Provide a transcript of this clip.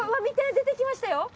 出てきましたよ。